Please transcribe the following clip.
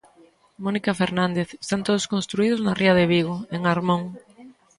Mónica Fernández, están todos construídos na ría de Vigo, en Armón...